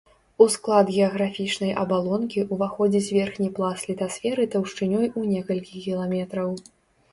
У склад геаграфічнай абалонкі ўваходзіць верхні пласт літасферы таўшчынёй у некалькі кіламетраў.